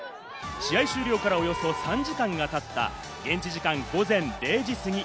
試合終了からおよそ３時間が経った現地時間午前０時過ぎ。